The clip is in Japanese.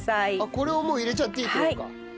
これをもう入れちゃっていいって事か。